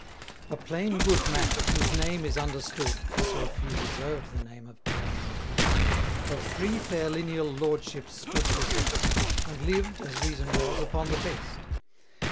A plain good man, whose name is understood (So few deserve the name of plain and good), Of three fair lineal lordships stood possess'd, And lived, as reason was, upon the best.